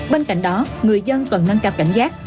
bên cạnh đó người dân cần nâng cao cảnh giác